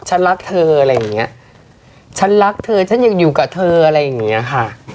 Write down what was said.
ฉันรักเธออะไรอย่างเงี้ยฉันรักเธอฉันยังอยู่กับเธออะไรอย่างเงี้ยค่ะ